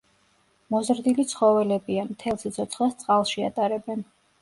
მოზრდილი ცხოველებია, მთელ სიცოცხლეს წყალში ატარებენ.